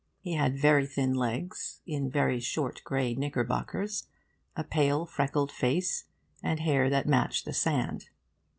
He had very thin legs in very short grey knickerbockers, a pale freckled face, and hair that matched the sand.